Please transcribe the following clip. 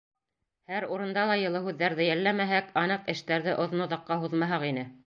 Һәр урында ла йылы һүҙҙәрҙе йәлләмәһәк, аныҡ эштәрҙе оҙон-оҙаҡҡа һуҙмаһаҡ ине.